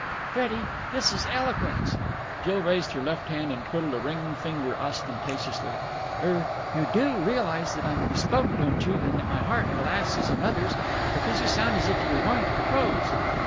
"Freddie! This is eloquence!" Jill raised her left hand, and twiddled a ringed finger ostentatiously. "Er you do realize that I'm bespoke, don't you, and that my heart, alas, is another's? Because you sound as if you were going to propose."